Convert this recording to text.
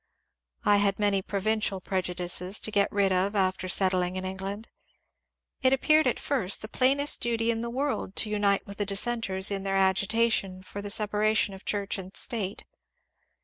I had many provincial prejudices to get rid of after set tling in England. It appeared at first the plainest duty in the world to unite with the dissenters in their agitation for the separation of Church and State.